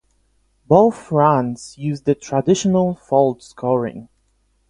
Both runs used the traditional fault scoring.